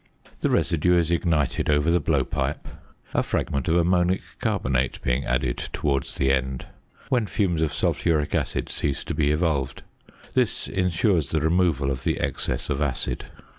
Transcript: The residue is ignited over the blowpipe, a fragment of ammonic carbonate being added towards the end, when fumes of sulphuric acid cease to be evolved. This ensures the removal of the excess of acid.